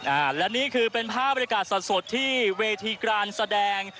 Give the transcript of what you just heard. อ่าและนี่คือเป็นภาพบรรยากาศสดสดที่เวทีการแสดง